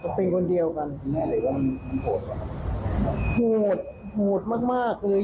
ก็เป็นคนเดียวกันแม่เลยว่ามันโหดไหมครับโหดโหดมากมากเลย